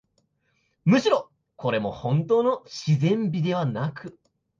むしろ、これもほんとうの自然美ではなく、